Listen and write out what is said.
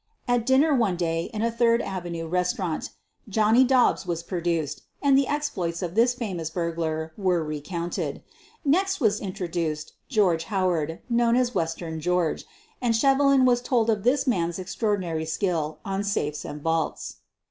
At dinner one day in a Third Avenue restaurant, Johnny Dobbs was produced, and the exploits of this famous burglar were re counted. Next was introduced George Howard, known as "Western George," and Shevelin was told of this man's extraordinary skill on safes and 150 SOPHIE LYONS vaults.